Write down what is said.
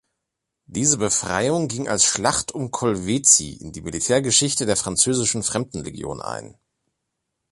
Diese Befreiung ging als „Schlacht um Kolwezi“ in die Militärgeschichte der französischen Fremdenlegion ein.